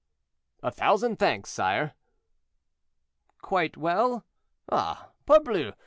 "A thousand thanks, sire." "Quite well? Ah, parbleu!